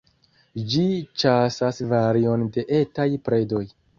Ĝi ĉasas varion de etaj predoj.